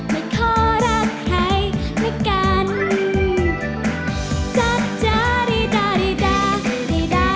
ไม่ขอรักใครละกัน